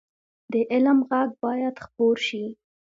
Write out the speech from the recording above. د علم غږ باید خپور شي